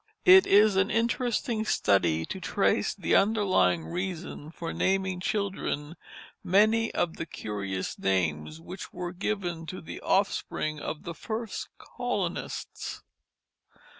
It is an interesting study to trace the underlying reason for naming children many of the curious names which were given to the offspring of the first colonists.